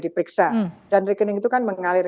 diperiksa dan rekening itu kan mengalir